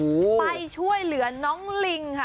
โอ้โหไปช่วยเหลือน้องลิงค่ะ